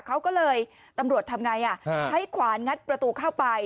เขาก็เลยตำรวจทำไงใช้ขวานงัดประตูเข้าไป